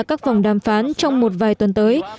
các vòng đàm phán trong một vài tuần tới